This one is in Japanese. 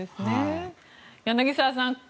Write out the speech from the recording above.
柳澤さん